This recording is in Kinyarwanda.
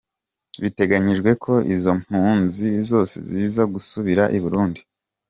Biteganywa ko izo mpunzi zose ziza gusubira i Burundi.